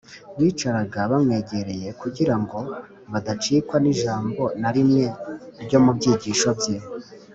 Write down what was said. bicaraga bamwegereye kugira ngo badacikwa n’ijambo na rimwe ryo mu byigisho bye